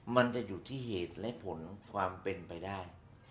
มันจะอยู่ที่เหตุและผลความเป็นไปได้